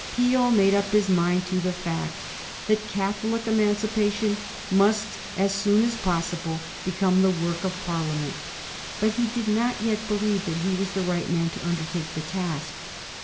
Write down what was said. Peel made up his mind to the fact that Catholic Emancipation must, as soon as possible, become the work of Parliament. But he did not yet believe that he was the right man to undertake the task.